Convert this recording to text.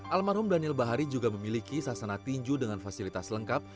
almarhum daniel bahari juga memiliki sasana tinju dengan fasilitas lengkap